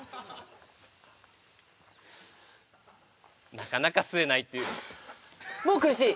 なかなか吸えないというもう苦しい